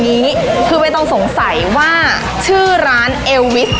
นี้คือใบตองสงสัยว่าชื่อร้านเอลวิส